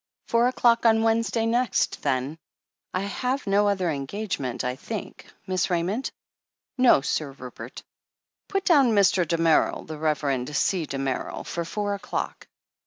"Four o'clock on Wednesday next, then. I have no other engagement, I think, Miss Raymond ?" "No, Sir Rupert." "Put down Mr. Damerel — the Reverend C Damerd ■— for four o'clock."